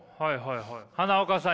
花岡さん